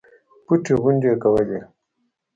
پټې غونډې کولې.